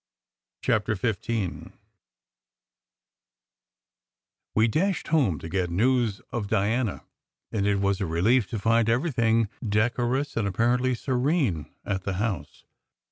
CHAPTER XV WE DASHED home to get news of Diana, and it was a relief to find everything decorous and ap parently serene at the house.